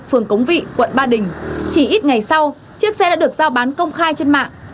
phường cống vị quận ba đình chỉ ít ngày sau chiếc xe đã được giao bán công khai trên mạng